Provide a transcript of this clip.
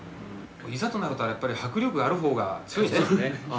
いざとなるとやっぱり迫力あるほうが強いですね。